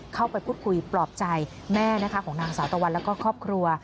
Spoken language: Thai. เข้าไปพูดคุยปลอบใจแม่นะคะของนางสาวตะวันแล้วก็ครอบครัว